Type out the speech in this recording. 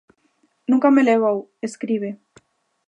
Nunca me levou, escribe.